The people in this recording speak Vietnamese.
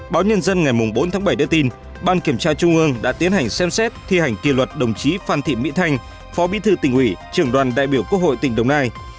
báo nhân dân ngày bốn tháng bảy đưa tin ban kiểm tra trung ương đã tiến hành xem xét thi hành kỳ luật đồng chí phan thị mỹ thanh phó bí thư tỉnh ủy trường đoàn đại biểu quốc hội tỉnh đồng nai